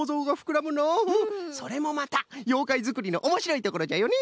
それもまたようかいづくりのおもしろいところじゃよね！